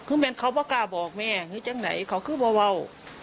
คือเป็นเขาว่ากล้าบอกแม่อย่างงี้จังไหนเขาคือเบาเบา